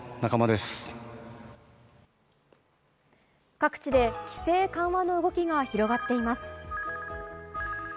各地で規制緩和の動きが広がっています。